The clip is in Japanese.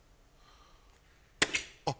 あっ！